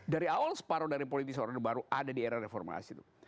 dari awal separuh dari politik orde baru ada di era reformasi itu